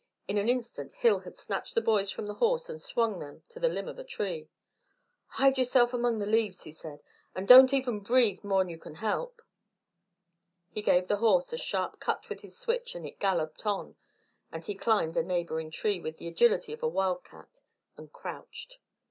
In an instant Hill had snatched the boys from the horse and swung them to the limb of a tree. "Hide yourselves among the leaves," he said, "and don't even breathe mor' 'n you kin help." He gave the horse a sharp cut with his switch and it galloped on; then he climbed a neighbouring tree with the agility of a wildcat, and crouched.